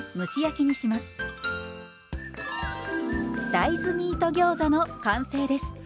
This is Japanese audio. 大豆ミートギョーザの完成です。